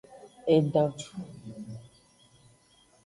Edan.